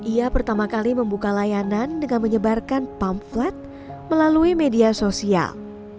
ia pertama kali membuka layanan dengan menyebarkan pamflet melalui media sosial